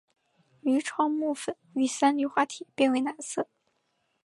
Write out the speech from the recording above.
愈创木酚遇三氯化铁变为蓝色。